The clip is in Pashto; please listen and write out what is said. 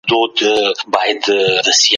فکري وده پر مادي پرمختګ اغېز لري.